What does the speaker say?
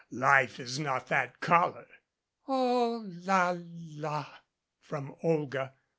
Life is not that color." "Oh, la la !" from Olga.